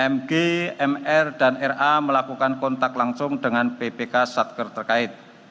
mg mr dan ra melakukan kontak langsung dengan ppk satker terkait